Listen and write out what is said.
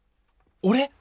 俺？